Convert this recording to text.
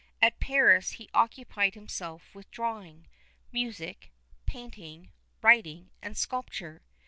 At Paris he occupied himself with drawing, music, painting, writing, and sculpture.